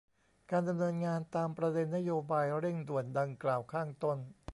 การดำเนินงานตามประเด็นนโยบายเร่งด่วนดังกล่าวข้างต้น